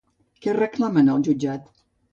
Què reclamen al jutjat?